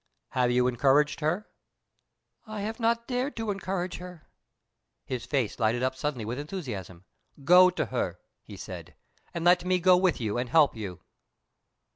"Have you encouraged her?" "I have not dared to encourage her." His face lighted up suddenly with enthusiasm. "Go to her," he said, "and let me go with you and help you!"